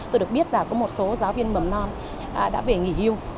tôi được biết là có một số giáo viên mầm non đã về nghỉ hưu